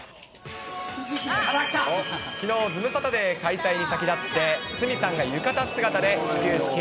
きのう、ズムサタデー開催に先立って、鷲見さんが浴衣姿で始球式。